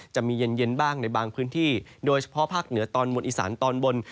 จะมีเย็นบ้างในบางพื้นที่โดยเฉพาะภาคเหนือตอนบนอีสานตอนบน